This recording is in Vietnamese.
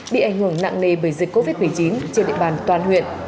bị ảnh hưởng nặng nề bởi dịch covid một mươi chín trên địa bàn toàn huyện